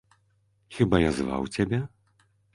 Хіба я зваў цябе?